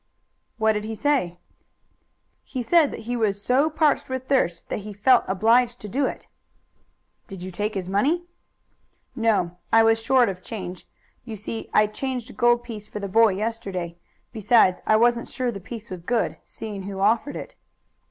"What did he say?" "He said that he was so parched with thirst that he felt obliged to do it." "Did you take his money?" "No. I was short of change. You see I changed a gold piece for the boy yesterday. Besides, I wasn't sure the piece was good, seeing who offered it."